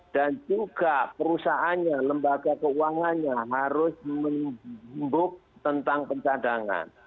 juga perusahaannya lembaga keuangannya harus membuk tentang pencadangan